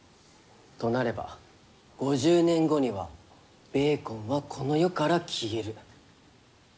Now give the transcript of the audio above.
となれば５０年後にはベーコンはこの世から消える。